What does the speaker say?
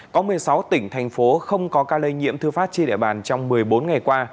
có một mươi sáu tỉnh thành phố không có ca lây nhiễm thư phát trên địa bàn trong một mươi bốn ngày qua